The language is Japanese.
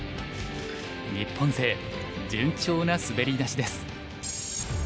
日本勢順調な滑り出しです。